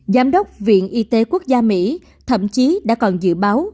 giám đốc viện y tế quốc gia mỹ thậm chí đã còn dự báo